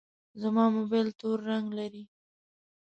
زما موبایل تور رنګ لري.